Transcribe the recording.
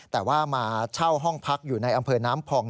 แต่ว่ามาเช่าห้องพักอยู่ในอำเภอน้ำพอง